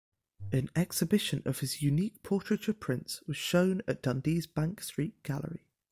An exhibition of his unique portraiture prints was shown at Dundee's Bank Street Gallery.